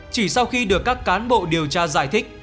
chỉ sau khi được các cán bộ điều tra giải thích